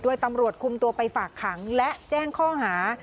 โดยตำรวจคุมตัวไปฝากขังและแจ้งข้อหา